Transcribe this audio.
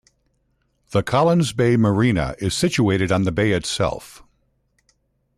The Collins Bay marina is situated on the bay itself.